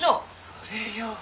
それよ。